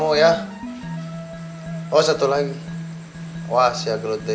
lo cam atas sittoh sittoh gw kalo dan dia sampai kekal ada